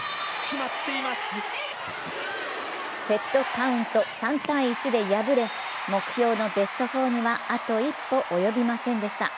セットカウント３−１で敗れ目標のベスト４にはあと一歩及びませんでした。